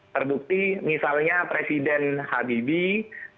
terbukti misalnya presiden habibie